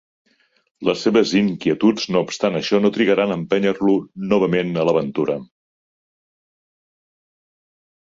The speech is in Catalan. Les seves inquietuds, no obstant això, no trigaran a empènyer-lo novament a l'aventura.